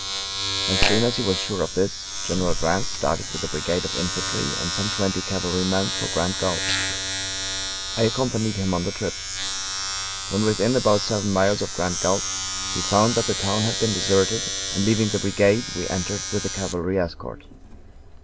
As soon as he was sure of this, General Grant started with a brigade of infantry and some twenty cavalrymen for Grand Gulf. I accompanied him on the trip. When within about seven miles of Grand Gulf we found that the town had been deserted, and leaving the brigade we entered with the cavalry escort.